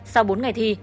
sau bốn ngày thi